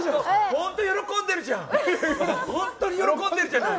本当喜んでるじゃない！